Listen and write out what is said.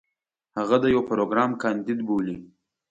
هغه د يو پروګرام کانديد بولي.